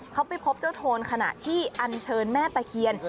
เขาไปพบเจ้าโทนขณะที่อันเชิญแม่ตะเคียน